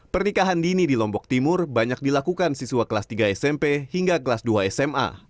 pernikahan dini di lombok timur banyak dilakukan siswa kelas tiga smp hingga kelas dua sma